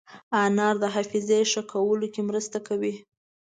انار د حافظې ښه کولو کې مرسته کوي.